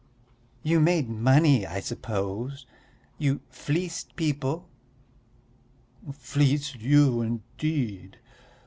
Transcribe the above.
"You made money, I suppose? You fleeced people?" "Fleece you, indeed!